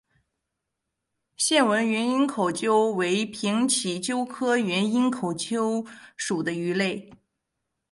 线纹原缨口鳅为平鳍鳅科原缨口鳅属的鱼类。